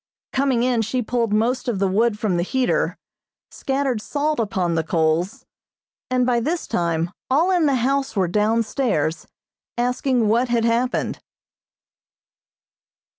Coming in, she pulled most of the wood from the heater, scattered salt upon the coals, and by this time all in the house were down stairs, asking what had happened.